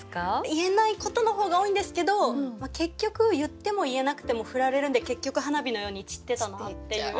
言えないことの方が多いんですけど結局言っても言えなくてもフラれるんで結局花火のように散ってたなっていう。